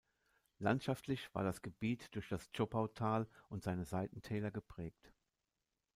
Landschaftlich war das Gebiet durch das Zschopautal und seine Seitentäler geprägt.